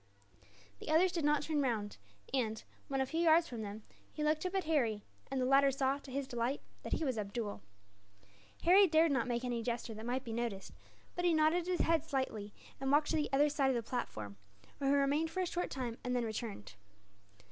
The others did not turn round and, when a few yards from them, he looked up at Harry; and the latter saw, to his delight, that he was Abdool. Harry dared not make any gesture that might be noticed; but he nodded his head slightly, and walked to the other side of the platform, where he remained for a short time, and then returned.